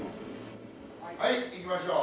はいいきましょう。